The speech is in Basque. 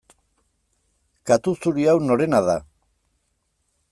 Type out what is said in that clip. Katu zuri hau norena da?